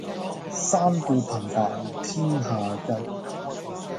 三顧頻煩天下計